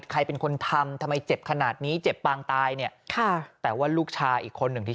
ใครเป็นคนทำทำไมเจ็บขนาดนี้เจ็บปางตายเนี่ยค่ะแต่ว่าลูกชายอีกคนหนึ่งที่